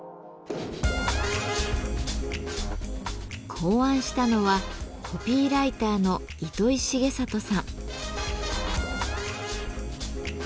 考案したのはコピーライターの糸井重里さん。